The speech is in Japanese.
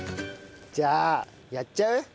じゃあやっちゃう？